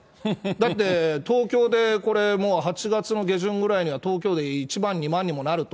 だって、東京でこれ、もう８月の下旬ぐらいには、東京で１万、２万にもなると。